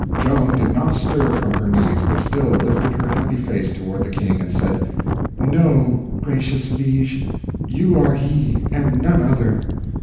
Joan did not stir from her knees, but still lifted her happy face toward the King, and said: "No, gracious liege, you are he, and none other."